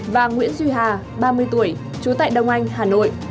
và nguyễn duy hà ba mươi tuổi trú tại đông anh hà nội